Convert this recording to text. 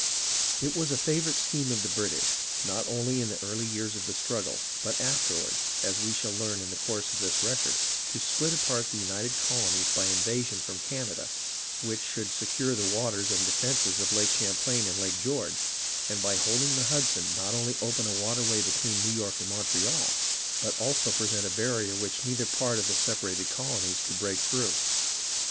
It was a favourite scheme of the British, not only in the early years of the struggle, but afterward, as we shall learn in the course of this record, to split apart the united colonies by an invasion from Canada, which should secure the waters and defences of Lake Champlain and Lake George, and by holding the Hudson not only open a waterway between New York and Montreal, but also pre sent a barrier which neither part of the separated colonies could break through.